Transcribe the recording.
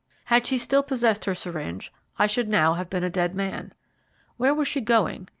Had she still possessed her syringe I should now have been a dead man. Where was she going?